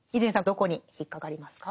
どこに引っ掛かりますか？